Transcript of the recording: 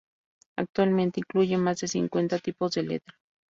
Actualmente incluye más de cincuenta tipos de letra.